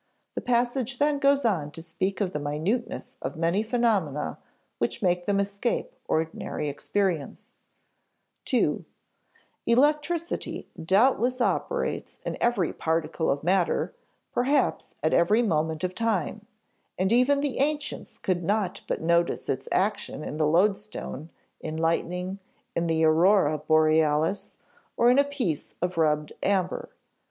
The passage then goes on to speak of the minuteness of many phenomena which makes them escape ordinary experience: (ii) "Electricity doubtless operates in every particle of matter, perhaps at every moment of time; and even the ancients could not but notice its action in the loadstone, in lightning, in the Aurora Borealis, or in a piece of rubbed amber.